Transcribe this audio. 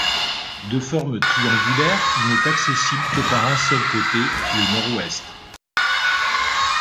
De forme triangulaire, il n’est accessible que par un seul côté, le nord-ouest.